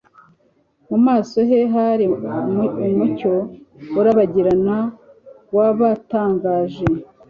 Mu maso he hari umucyo urabagirana wabatangaje.